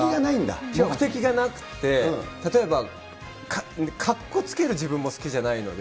目的がなくって、例えばかっこつける自分も好きじゃないので。